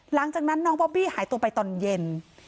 หลังจากนั้นน้องบอบบี้หายตัวไปตอนเย็น